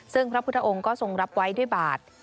ซึ่งพระพุทธองค์ก็ทรงรับไว้ด้วยบาท